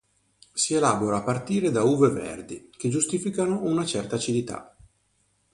Si elabora a partire da uve verdi, che giustificano una certa acidità.